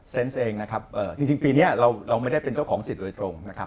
เองนะครับจริงปีนี้เราไม่ได้เป็นเจ้าของสิทธิ์โดยตรงนะครับ